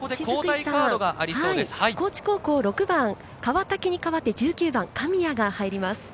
高知高校、６番・川竹に代わって１９番・神谷が入ります。